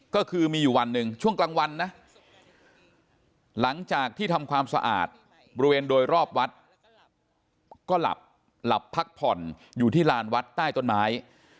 ก็คือมีอยู่วันหนึ่งช่วงกลางวันนะหลังจากที่ทำความสะอาดบริเวณโดยรอบวัดก็หลับหลับพักผ่อนอยู่ที่ลานวัดใต้ต้นไม้